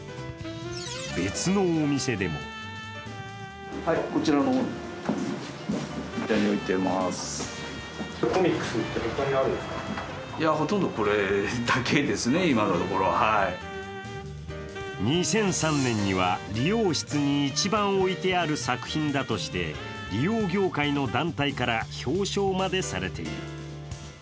別のお店でも２００３年には理容室に一番置いてある作品だとして理容業界の団体から表彰までされている。